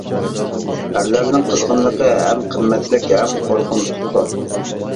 ئەرلەرنىڭ قىزغىنلىقى ھەم قىممەتلىك، ھەم قورقۇنچلۇقتۇر.